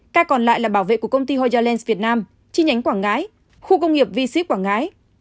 ca còn lại là bảo vệ của công ty hoya lens việt nam chi nhánh quảng ngãi khu công nghiệp v sip quảng ngãi